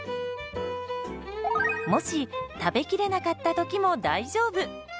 もし食べきれなかった時も大丈夫。